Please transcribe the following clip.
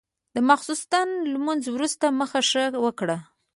د ماسخوتن لمونځ وروسته مخه ښه وکړه.